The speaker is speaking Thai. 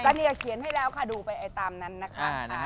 ก็เนี่ยเขียนให้แล้วค่ะดูไปตามนั้นนะคะ